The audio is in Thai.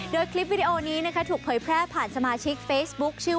โดยคลิปวิดีโอนี้นะคะถูกเผยแพร่ผ่านสมาชิกเฟส